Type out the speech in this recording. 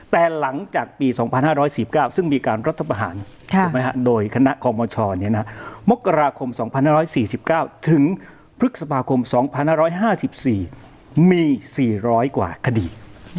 แต่หลังจากปี๒๕๔๙ซึ่งมีการรัฐประหารโดยคณะคอมชมกราคม๒๕๔๙ถึงพฤษภาคม๒๕๕๔มี๔๐๐กว่าคดี